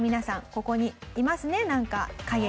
ここにいますねなんか影が。